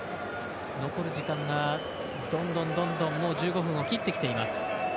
残る時間がどんどん１５分を切ってきています。